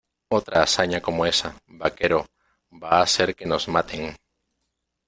Otra hazaña como esa, vaquero , va a hacer que nos maten.